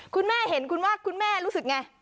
คุณแม่เห็นคุณว่าคุณแม่รู้สึกไง